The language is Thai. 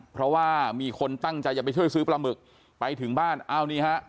เพราะว่ามีคนตั้งใจจะไปช่วยซื้อปลาหมึกไปถึงบ้านอ้าวนี่ฮะ